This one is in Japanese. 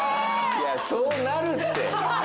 いやそうなるって！